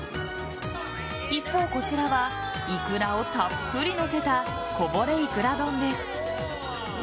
一方、こちらはイクラをたっぷり載せたこぼれいくら丼です。